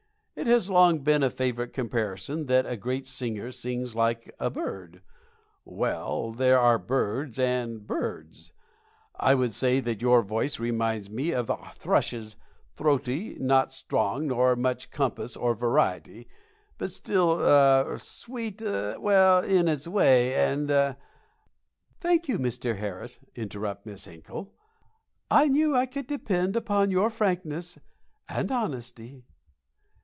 It has long been a favorite comparison that a great singer sings like a bird. Well, there are birds and birds. I would say that your voice reminds me of the thrush's throaty and not strong, nor of much compass or variety but still er sweet in er its way, and er " "Thank you, Mr. Harris," interrupted Miss Hinkle. "I knew I could depend upon your frankness and honesty."